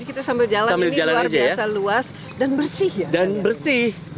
kita sambil jalan ini luar biasa luas dan bersih